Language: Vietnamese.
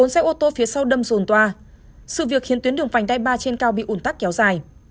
bốn xe ô tô phía sau đâm rồn toa sự việc khiến tuyến đường vành đai ba trên cao bị ủn tắc kéo dài